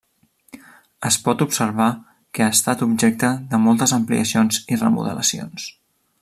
Es pot observar que ha estat objecte de moltes ampliacions i remodelacions.